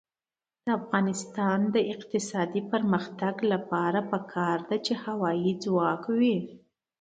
د افغانستان د اقتصادي پرمختګ لپاره پکار ده چې هوایی ځواک وي.